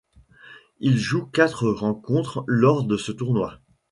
Il joue quatre rencontres lors de ce tournoi.